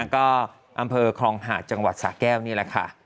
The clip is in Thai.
ก็อำเภอคลองหาดจังหวัดสะแก้วนี่แหละค่ะ